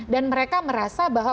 dan mereka merasa bahwa